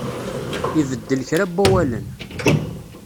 Ibeddel kra n wawalen.